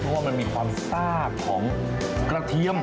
เพราะว่ามันมีความซากของกระเทียม